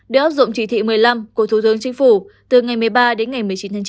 để áp dụng chỉ thị một mươi năm của thủ tướng chính phủ từ ngày một mươi ba đến ngày một mươi chín tháng chín